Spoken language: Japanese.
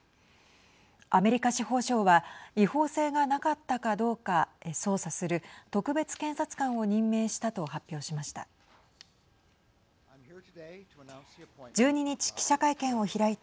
アメリカ司法省は違法性がなかったかどうか捜査する特別検察官を任命したと発表しました。